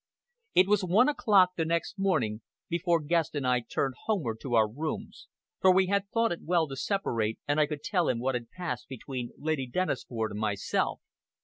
It was one o'clock the next morning before Guest and I turned homeward to our rooms, for we had thought it well to separate, and I could tell him what had passed between Lady Dennisford and myself.